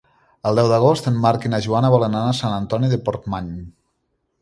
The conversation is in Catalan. El deu d'agost en Marc i na Joana volen anar a Sant Antoni de Portmany.